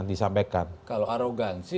disampaikan kalau arogansi